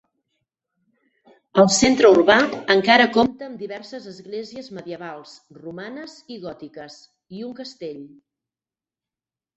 El centre urbà encara compta amb diverses esglésies medievals romanes i gòtiques i un castell.